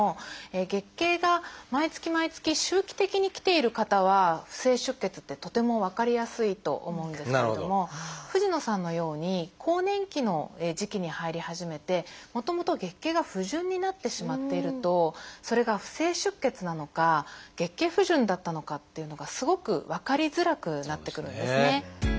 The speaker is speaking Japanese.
月経が毎月毎月周期的に来ている方は不正出血ってとても分かりやすいと思うんですけれども藤野さんのように更年期の時期に入り始めてもともと月経が不順になってしまっているとそれが不正出血なのか月経不順だったのかっていうのがすごく分かりづらくなってくるんですね。